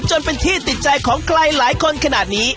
จนเป็นที่ติดใจของใครหลายคนขนาดนี้